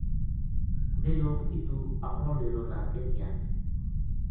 ویہ لوک اِتو اپنو ڈیرو لَد کے گیا